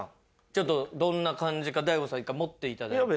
ちょっとどんな感じか大悟さん一回持って頂いて。